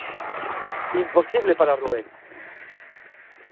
Imposible para Rubén.